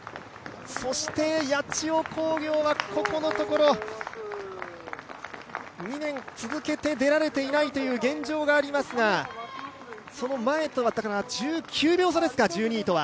そして八千代工業はここのところ２年続けて出られていない現状がありますがその前とは１９秒差ですか、１２位とは。